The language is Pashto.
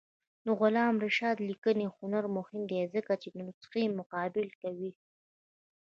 د علامه رشاد لیکنی هنر مهم دی ځکه چې نسخې مقابله کوي.